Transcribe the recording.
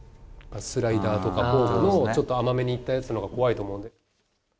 スライダーとかフォークのちょっと甘めにいったやつのほうが怖いと思うんで。